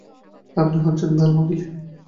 আপনিই হচ্ছেন ভেলমা কেলি।